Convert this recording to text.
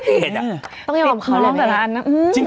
ต้องกฝับเขาเลยไหม